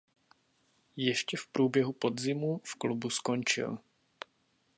Ještě v průběhu podzimu v klubu skončil.